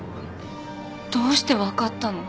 どうして分かったの？